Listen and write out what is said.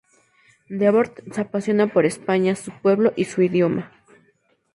Debord se apasiona por España, su pueblo y su idioma.